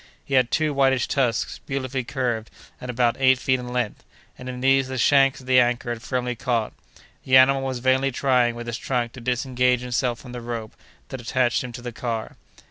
He had two whitish tusks, beautifully curved, and about eight feet in length; and in these the shanks of the anchor had firmly caught. The animal was vainly trying with his trunk to disengage himself from the rope that attached him to the car.